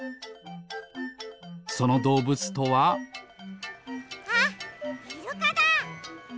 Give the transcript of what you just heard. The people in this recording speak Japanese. そのどうぶつとはあイルカだ！